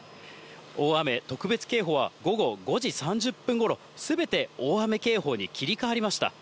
大雨特別警報は午後５時３０分ごろ、すべて大雨警報に切り替わりました。